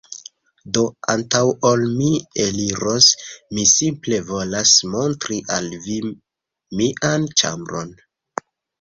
Do, antaŭ ol mi eliros, mi simple volas montri al vi mian ĉambron